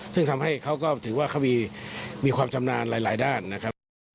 ซึ่งทำให้เขาก็ถือว่าเขามีความชำนาญหลายด้านนะครับ